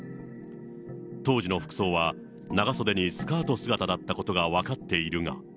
当時の服装は、長袖にスカート姿だったことが分かっているが。